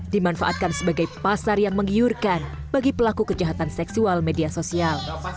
dimanfaatkan sebagai pasar yang menggiurkan bagi pelaku kejahatan seksual media sosial